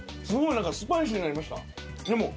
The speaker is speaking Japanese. すごいスパイシーになりました。